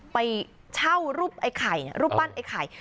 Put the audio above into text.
ไปเช่ารูปไอ้ไข่รูปปั้นไอ้ไข่